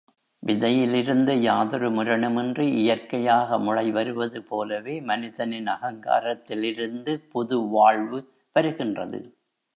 விதையிலிருந்து யாதொரு முரணுமின்றி இயற்கையாக முளை வருவது போலவே மனிதனின் அகங்காரத்திலிருந்து புது வாழ்வு வருகின்றது.